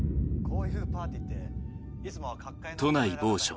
都内某所。